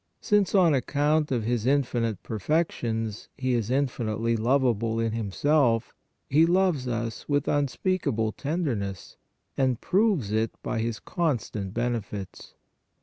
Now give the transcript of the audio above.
Since, on account of His infinite perfections, He is infinitely lovable in Himself, He loves us with unspeakable tenderness and proves it by His constant benefits.